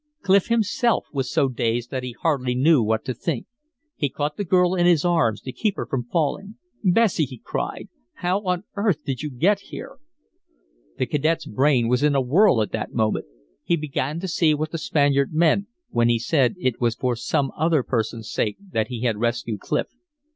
Clif himself was so dazed that he hardly knew what to think. He caught the girl in his arms to keep her from falling. "Bessie," he cried, "how on earth did you get here?" The cadet's brain was in a whirl at that moment. He began to see what the Spaniard meant when he said it was for some other person's sake that he had rescued Clif.